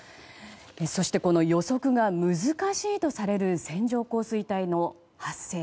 そして、この予測が難しいとされる線状降水帯の発生。